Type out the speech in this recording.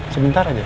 sebentar aja ya